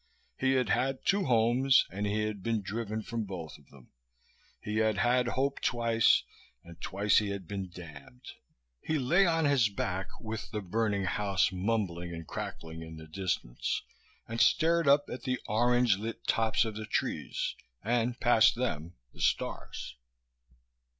He had had two homes and he had been driven from both of them. He had had hope twice, and twice he had been damned. He lay on his back, with the burning house mumbling and crackling in the distance, and stared up at the orange lit tops of the trees and, past them, the stars.